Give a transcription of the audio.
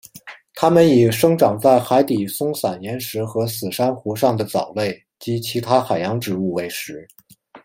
它们以生长在海底松散岩石和死珊瑚上的藻类及其他海洋植物为食。